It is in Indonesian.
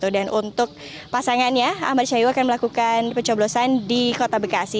dan untuk pasangannya ahmad syahir akan melakukan pencoblosan di kota bekasi